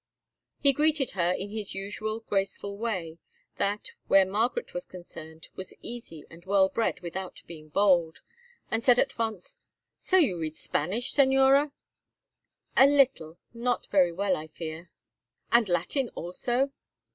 He greeted her in his usual graceful way, that, where Margaret was concerned, was easy and well bred without being bold, and said at once: "So you read Spanish, Señora?" "A little. Not very well, I fear." "And Latin also?"